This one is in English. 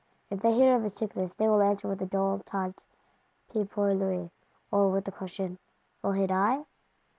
If they hear of his sickness, they will answer with a dull Tant pis pour lui; or with the question, Will he die?